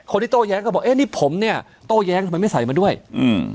โต้แย้งก็บอกเอ๊ะนี่ผมเนี้ยโต้แย้งทำไมไม่ใส่มาด้วยอืม